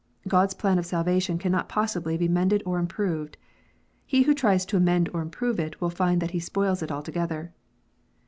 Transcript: God s plan of salvation cannot possibly be mended or improved. He who tries to amend or improve it, will find that he spoils it altogether.